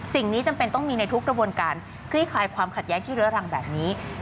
สิ่งนี้จำเป็นต้องมีในทุกกระบวนการคลี่คลายความขัดแย้งที่เรื้อรังแบบนี้